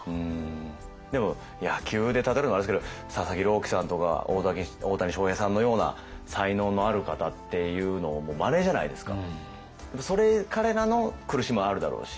でも野球で例えるのもあれですけど佐々木朗希さんとか大谷翔平さんのような才能のある方っていうのはもうまれじゃないですか。